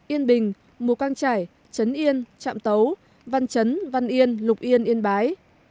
yên bình mù căng trải trấn yên trạm tấu văn chấn văn yên lục yên yên bái